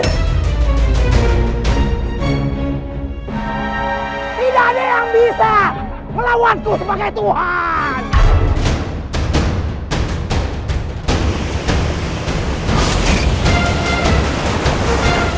dari atas di atas